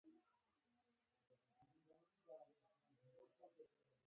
هغه خپله موخه په دقيق ډول معلومه کړې وه.